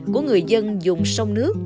của người dân dùng sông nước